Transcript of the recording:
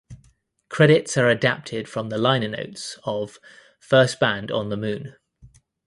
Credits are adapted from the liner notes of "First Band on the Moon".